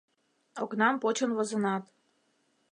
Окнам почын возынат